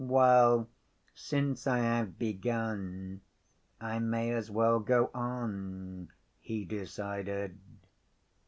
"Well, since I have begun, I may as well go on," he decided.